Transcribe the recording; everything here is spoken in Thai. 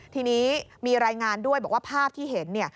ทีนี้มีรายงานด้วยบอกว่าภาพที่เห็น